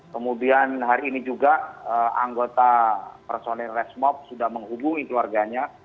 kemudian hari ini juga anggota personil resmob sudah menghubungi keluarganya